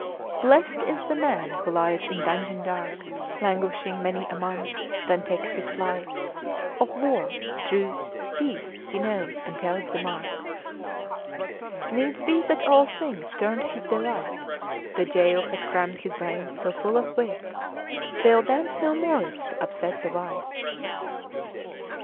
Blessed is the man who lies in dungeon dark, Languishing many a month, then takes his flight Of war, truce, peace he knows, and tells the mark. ' 'Needs be that all things turn to his delight; The jail has crammed his brains so full of wit, They'll dance no morris to upset the wight.